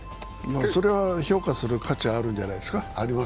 それは評価する価値はあるんじゃないですか。